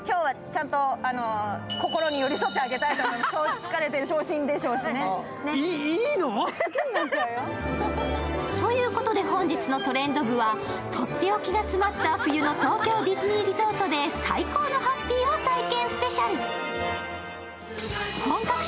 疲れている、傷心でしょうしね。ということで、本日の「トレンド部」はとっておきが詰まった冬の東京ディズニーリゾートで最高のハッピーを体験